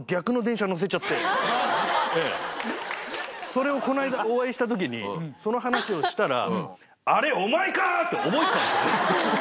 それをこの間お会いした時にその話をしたら。って覚えてたんですよ。